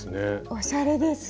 おしゃれですね。